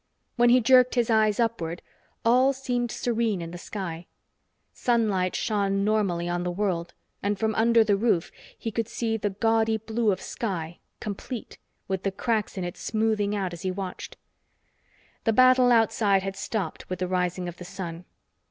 When he jerked his eyes upward, all seemed serene in the sky. Sunlight shone normally on the world, and from under the roof he could see the gaudy blue of sky, complete, with the cracks in it smoothing out as he watched. The battle outside had stopped with the rising of the sun.